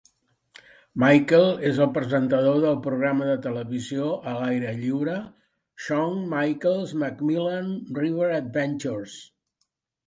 Michaels és el presentador del programa de televisió a l'aire lliure "Shawn Michaels' MacMillan River Adventures".